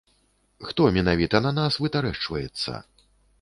Хто менавіта на нас вытарэшчваецца.